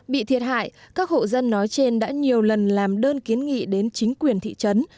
bị thiệt hại các hộ dân nói trên đã nhiều lần làm đơn kiến nghị đến chính quyền thị trấn